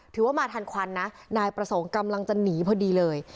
ถือว่ามาทันควันนะนายประสงค์กำลังจะหนีพอดีเลย